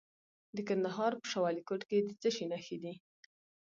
د کندهار په شاه ولیکوټ کې د څه شي نښې دي؟